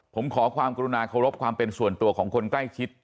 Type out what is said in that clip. ผมขอความกรุณาเคารพความเป็นส่วนตัวของคนใกล้ชิด